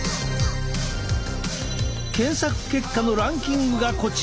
検索結果のランキングがこちら。